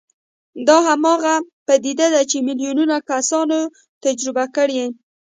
دا هماغه پدیده ده چې میلیونونه کسانو تجربه کړې